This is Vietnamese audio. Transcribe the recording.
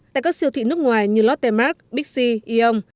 tại các siêu thị nước ngoài như lottemark bixi eon